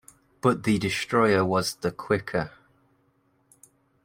But the destroyer was the quicker.